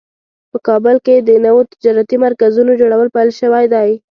په کابل کې د نوو تجارتي مرکزونو جوړول پیل شوی ده